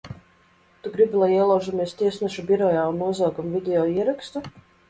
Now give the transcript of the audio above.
Tu gribi, lai ielaužamies tiesneša birojā un nozogam video ierakstu?